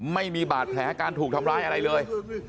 ไม่มีบาดแผลการถูกทำร้ายอะไรเลย